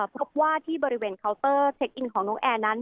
พบว่าที่บริเวณเคาน์เตอร์เช็คอินของน้องแอร์นั้น